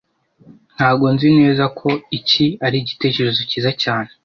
Ntago nzi neza ko iki ari igitekerezo cyiza cyane